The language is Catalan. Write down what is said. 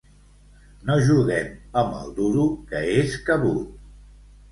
No juguem amb el duro, que és cabut.